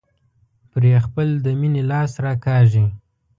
پرې خپل د مينې لاس راکاږي.